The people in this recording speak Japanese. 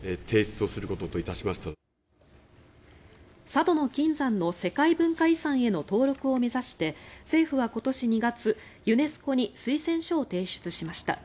佐渡島の金山の世界文化遺産への登録を目指して政府は今年２月、ユネスコに推薦書を提出しました。